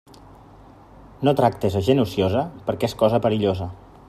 No tractes a gent ociosa, perquè és cosa perillosa.